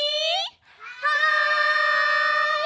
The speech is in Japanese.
はい！